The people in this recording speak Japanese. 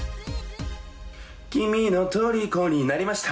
君のとりこになりました。